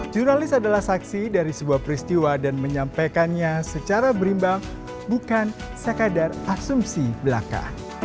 jurnalis adalah saksi dari sebuah peristiwa dan menyampaikannya secara berimbang bukan sekadar asumsi belaka